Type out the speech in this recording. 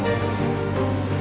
coba tanya rafael deh